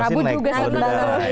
rasanya naik kalau juga